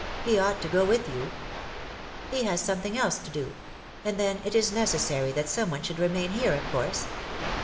He ought to go with you." He has something else to do. And then, it is neces sary that some one should remain here, of course."